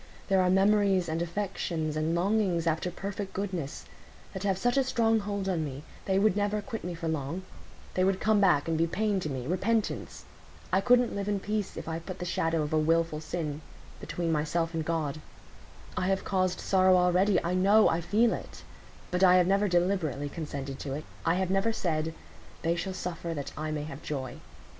There are memories, and affections, and longings after perfect goodness, that have such a strong hold on me; they would never quit me for long; they would come back and be pain to me—repentance. I couldn't live in peace if I put the shadow of a wilful sin between myself and God. I have caused sorrow already—I know—I feel it; but I have never deliberately consented to it; I have never said, 'They shall suffer, that I may have joy.